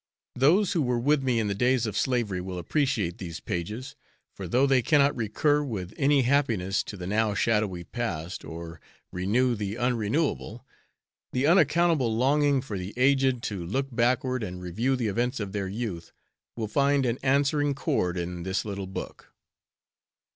Those who were with me in the days of slavery will appreciate these pages, for though they cannot recur with any happiness to the now "shadowy past, or renew the unrenewable," the unaccountable longing for the aged to look backward and review the events of their youth will find an answering chord in this little book.